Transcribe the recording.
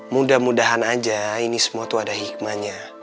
mudah mudahan aja ini semua tuh ada hikmahnya